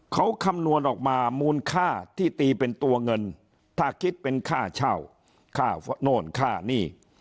เขาคำนวณออกมามูลค่าที่ตีเป็นตัวเงินถ้าคิดเป็นค่าเช่าค่าโน่นค่านี่